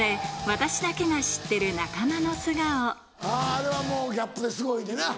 ・あれはもうギャップですごいねんな。